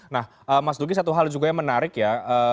nah mas dugi satu hal juga yang menarik ya